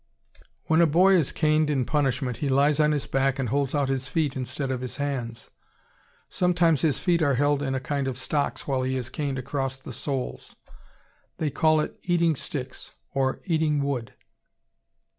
When a boy is caned in punishment he lies on his back and holds out his feet instead of his hands. Sometimes his feet are held in a kind of stocks while he is caned across the soles. They call it "eating sticks" or "eating wood."